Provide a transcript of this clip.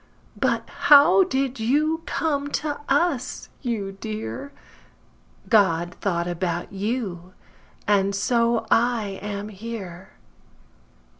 But how did you come to us, you dear? God thought about you, and so I am here.